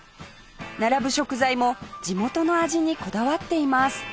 並ぶ食材も地元の味にこだわっています